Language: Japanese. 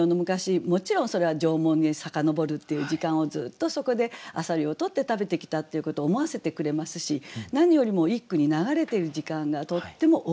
もちろんそれは縄文へ遡るっていう時間をずっとそこで浅蜊を取って食べてきたっていうことを思わせてくれますし何よりも一句に流れている時間がとってもおおらか。